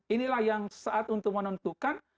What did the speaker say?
inilah yang saat untuk menentukan